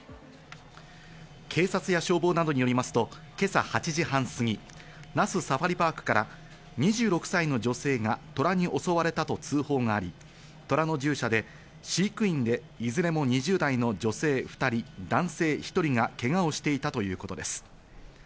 警察や消防などによりますと今朝８時半すぎ、那須サファリパークから、２６歳の女性がトラに襲われたと通報があり、トラの獣舎で飼育員でいずれも２０代の女性２人、男性１人がけがをしていたということです。